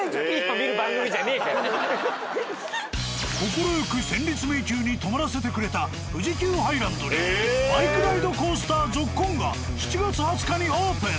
快く戦慄迷宮に泊まらせてくれた富士急ハイランドではバイクライドコースターＺＯＫＫＯＮが７月２０日にオープン。